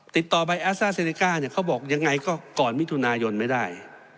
ติดต่อไปอัซซาเซนิกาเขาบอกยังไงก็ก่อนมิถุนายนไม่ได้